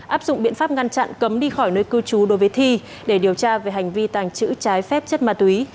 áp dụng biện pháp ngăn chặn cấm đi khỏi nơi cư trú đối với thi để điều tra về hành vi tàng trữ trái phép chất ma túy